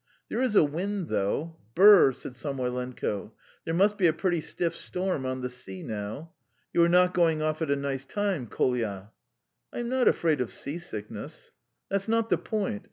"There is a wind, though. ... Brrr!" said Samoylenko. "There must be a pretty stiff storm on the sea now! You are not going off at a nice time, Koyla." "I'm not afraid of sea sickness." "That's not the point.